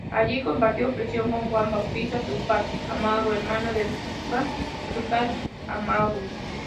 Allí compartió prisión con Juan Bautista Túpac Amaru, hermano del inca Túpac Amaru.